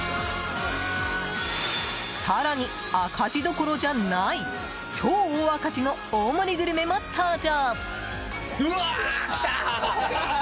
更に、赤字どころじゃない超大赤字の大盛りグルメも登場！